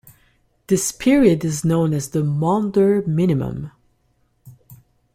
This period is known as the Maunder Minimum.